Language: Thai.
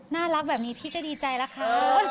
น่ารักแบบนี้พี่จะดีใจละคะ